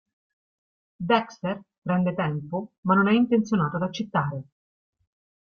Dexter prende tempo ma non è intenzionato ad accettare.